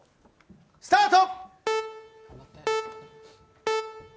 スタート。